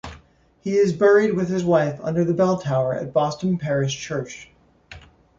He is buried with his wife under the belltower at Boston Parish Church.